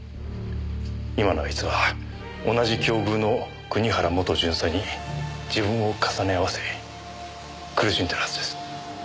今のあいつは同じ境遇の国原元巡査に自分を重ね合わせ苦しんでるはずです。